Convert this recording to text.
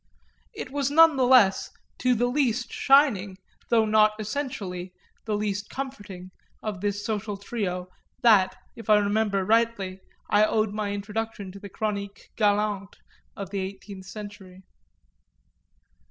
It was none the less to the least shining, though not essentially the least comforting, of this social trio that, if I rightly remember, I owed my introduction to the chronique galante of the eighteenth century.